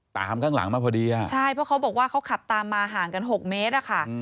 ตามข้างหลังมาพอดีอ่ะใช่เพราะเขาบอกว่าเขาขับตามมาห่างกัน๖เมตรอะค่ะ